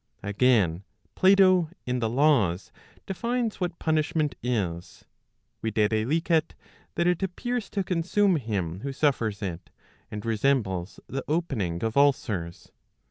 Again, Plato in the Laws defines what punishment is, viz. that it appears to consume him who suffers it, and resembles the opening of ulcers.